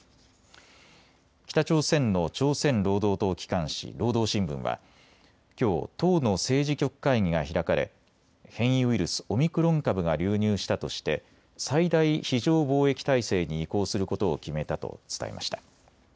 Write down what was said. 北朝鮮の朝鮮労働党機関紙、労働新聞はきょう、党の政治局会議が開かれ変異ウイルス、オミクロン株が流入したとして最大非常防疫態勢に移行することを決めたと伝えました。